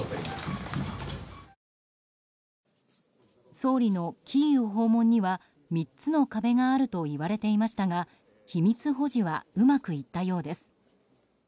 総理のキーウ訪問には３つの壁があるといわれていましたが秘密保持はうまくいったようです。